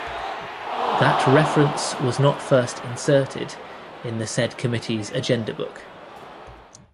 That reference was not first inserted in the said committee's agenda book.